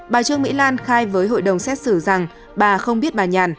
bà trương mỹ lan khai với hội đồng xét xử rằng bà không biết bà nhàn